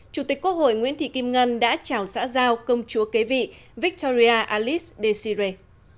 chủ tịch quốc hội nguyễn thị kim ngân đã chào xã giao công chúa kế vị victoria alice desiree